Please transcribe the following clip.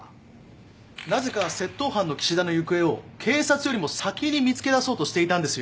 なぜか窃盗犯の岸田の行方を警察よりも先に見つけ出そうとしていたんですよ。